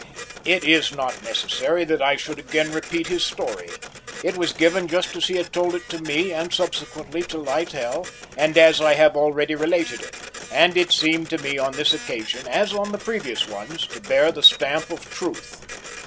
It is not necessary that I should again repeat his story. It was given just as he had told it to me and subsequently to Littell and as I have already related it, and it seemed to me on this occasion, as on the previous ones, to bear the stamp of truth.